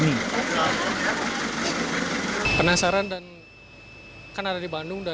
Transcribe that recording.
biasanya berapa kali naik bandros ya